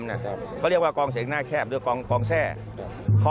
เขาเรียกว่ากองเสียงหน้าแคบเรียกกองแทร่